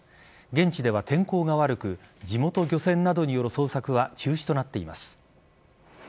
現地では天候が悪く地元漁船などによる捜索は中止となっています。